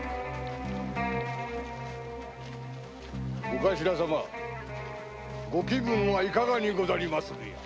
お頭様お気分はいかがにござりまするや？